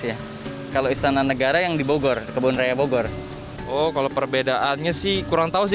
ya kalau istana negara yang di bogor kebun raya bogor oh kalau perbedaannya sih kurang tahu sih